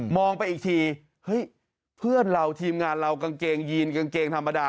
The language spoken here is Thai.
ไปอีกทีเฮ้ยเพื่อนเราทีมงานเรากางเกงยีนกางเกงธรรมดา